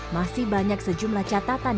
masih banyak sejumlah catatan yang percaya